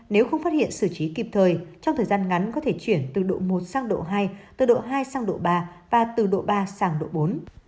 nếu không phát hiện xử trí kịp thời trong thời gian ngắn có thể chuyển từ độ một sang độ hai từ độ hai sang độ ba và từ độ ba sang độ bốn